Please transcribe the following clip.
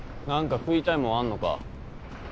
何か食いたいもんあんのか。